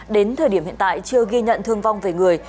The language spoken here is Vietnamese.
đến thời điểm hiện tại chưa ghi nhận thương vong về người